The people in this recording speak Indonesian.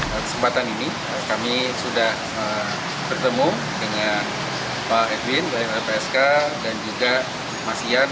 pertama kali kami berjumpa dengan pak edwin dari rpsk dan juga mas ian